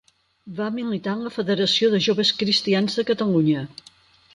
Va militar en la Federació de Joves Cristians de Catalunya.